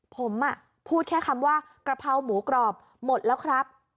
ผมพูดแค่คำว่ากะเพราหมูกรอบหมดแล้วครับ